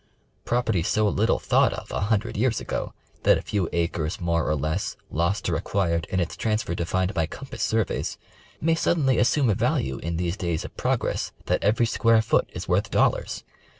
Property so little thought of a hundred years ago tliat a few acres more or less, lost or acquired, in its transfer defined by compass surveys, may suddenly assume a value in these days of progress that every square foot is worth dollars.